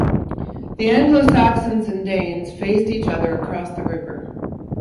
The Anglo-Saxons and Danes faced each other across the river.